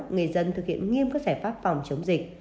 người dân thực hiện nghiêm các giải pháp phòng chống dịch